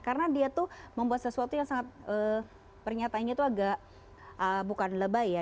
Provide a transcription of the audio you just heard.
karena dia tuh membuat sesuatu yang sangat pernyataannya tuh agak bukan lebay ya